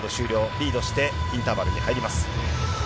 リードしてインターバルに入ります。